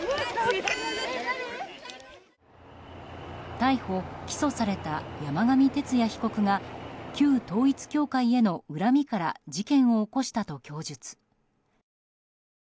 逮捕・起訴された山上徹也被告が旧統一教会への恨みから事件を起こしたと供述。